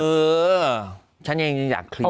เออฉันเองยังอยากเคลียร์